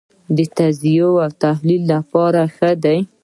د تجزیې او تحلیل لپاره ښه دی.